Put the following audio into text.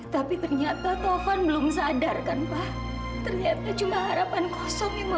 tapi ternyata tovan belum sadar kan pa